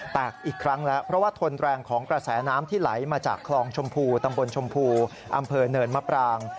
แตกอีกครั้งแล้วเพราะว่าทนแรงของกระแสน้ำที่ไหลมาจากคลองชมพูตำบลชมพูอำเภอเนินมะปราง